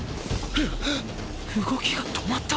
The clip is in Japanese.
動きが止まった？